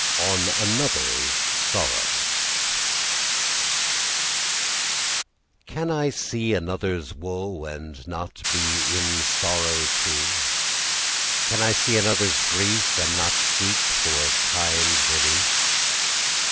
ON ANOTHER'S SORROW Can I see another's woe, And not be in sorrow too? Can I see another's grief, And not seek for kind relief?